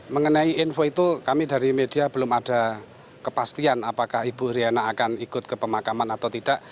mengenai info itu kami dari media belum ada kepastian apakah ibu iryana akan ikut ke pemakaman atau tidak